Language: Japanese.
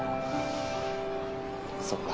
そっか。